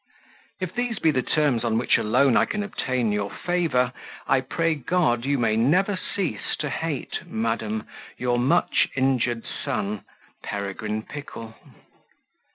If these be the terms on which alone I can obtain your favour, I pray God you may never cease to hate, Madam, your much injured son, "Peregrine Pickle."